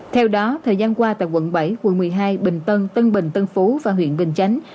theo đó thời gian qua tại quận bảy quận một mươi hai bình tân tân bình tân phú và huyện bình chánh